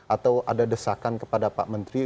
atau ada desakan kepada pak menteri